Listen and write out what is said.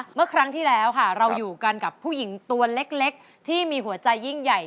เมื่อครั้งที่แล้วค่ะเราอยู่กันกับผู้หญิงตัวเล็กที่มีหัวใจยิ่งใหญ่